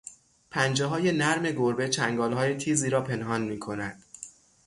پنجههای نرم گربه چنگالهای تیزی را پنهان میکند.